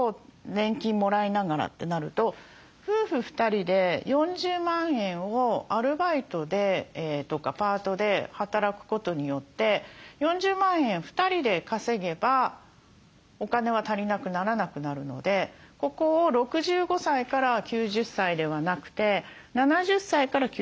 年金もらいながら」ってなると夫婦２人で４０万円をアルバイトとかパートで働くことによって４０万円２人で稼げばお金は足りなくならなくなるのでここを６５歳から９０歳ではなくて７０歳から９０歳までにできたりしますよね。